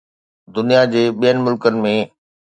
دنيا جي ٻين ملڪن ۾